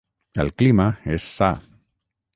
El clima és sa.